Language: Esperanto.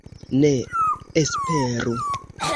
Ne esperu.